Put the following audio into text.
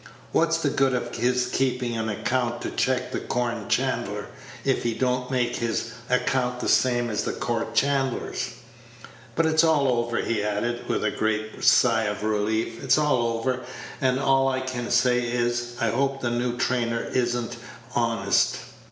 What's the good of his keeping an account to check the corn chandler if he don't make his account the same as the corn chandler's? But it's all over," he added, with a great sigh of relief, "it's all over; and all I can say is, I hope the new trainer is n't honest."